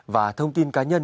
và thông tin cá nhân